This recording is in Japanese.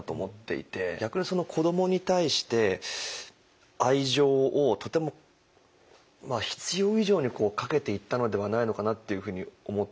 逆に子どもに対して愛情をとても必要以上にかけていったのではないのかなっていうふうに思って見てました。